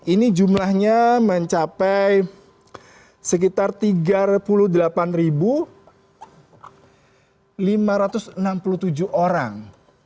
ini jumlahnya mencapai sekitar tiga puluh delapan lima ratus enam puluh tujuh orang